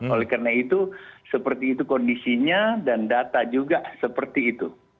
oleh karena itu seperti itu kondisinya dan data juga seperti itu